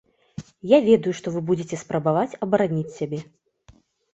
Я ведаю, што вы будзеце спрабаваць абараніць сябе.